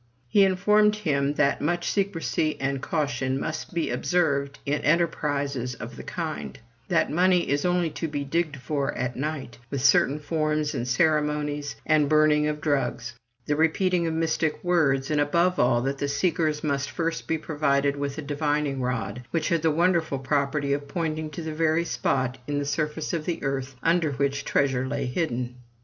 He informed him that much secrecy and caution must be observed in enterprises of the kind; that money is only to be digged for at night; with certain forms and ceremonies, and burning of drugs; the repeating of mystic words, and, above all, that the seekers must first be provided with a divining rod, which had the wonderful property of pointing to the very spot in the surface of the earth under which treasure lay hidden.